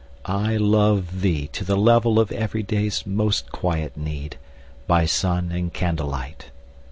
I love thee to the level of everyday's Most quiet need, by sun and candle light.